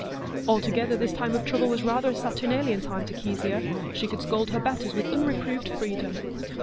Altogether, this time of trouble was rather a Saturnalian time to Kezia; she could scold her betters with unreproved freedom.